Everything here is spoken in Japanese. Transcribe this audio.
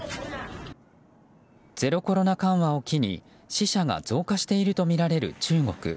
ゼロコロナ緩和を機に、死者が増加しているとみられる中国。